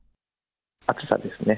暑さですね。